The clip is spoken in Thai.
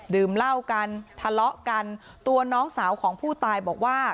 ดื่มเหล้ากันทะเลาะกันตัวน้องสาวของผู้ตายบอกว่า